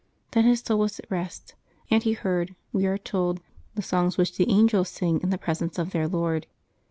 Then his soul was at rest; and he heard, we are told, the songs which the angels sing in the presence of their Lord.